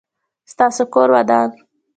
ستاسو کور ودان؟